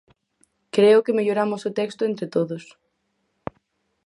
Creo que melloramos o texto entre todos.